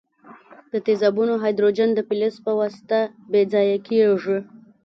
د تیزابونو هایدروجن د فلز په واسطه بې ځایه کیږي.